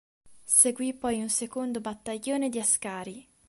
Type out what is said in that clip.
Seguì poi un secondo battaglione di ascari.